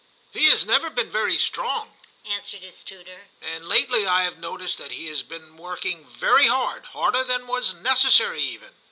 He has never been very strong,' answered his tutor, * and lately I have noticed that he has been working very hard, harder than was necessary even.